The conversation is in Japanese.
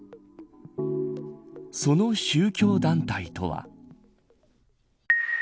その宗教団体とは。